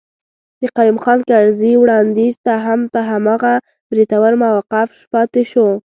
د قيوم خان کرزي وړانديز ته هم په هماغه بریتور موقف پاتي شو.